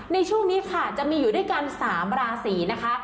ในช่วงนี้ค่ะจะมีอยู่ด้วยกัน๓ราศีนะคะ